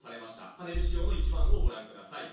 パネル資料の１番をご覧ください。